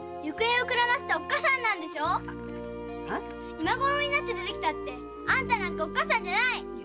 今ごろ出てきたってあんたなんかおっかさんじゃない！